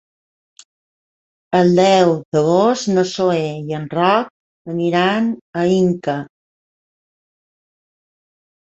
El deu d'agost na Zoè i en Roc aniran a Inca.